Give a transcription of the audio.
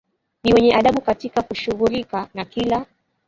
ni wenye adabu katika kushughulika na kila